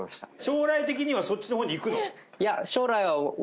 将来的にはそっちの方にいくの？